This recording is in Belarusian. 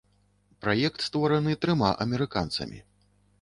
Праект створаны трыма амерыканцамі.